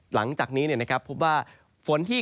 ก็จะมีการแผ่ลงมาแตะบ้างนะครับ